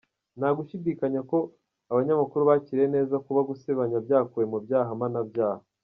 Nta gushidikanya ko abanyamakuru bakiriye neza kuba gusebanya byakuwe mu byaha mpanabyaha